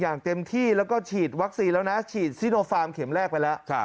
อย่างเต็มที่แล้วก็ฉีดวัคซีนแล้วนะฉีดซิโนฟาร์มเข็มแรกไปแล้ว